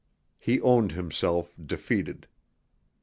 He owned himself defeated.